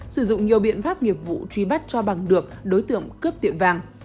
sử dụng nhiều biện pháp nghiệp vụ truy bắt cho bằng được đối tượng cướp tiệm vàng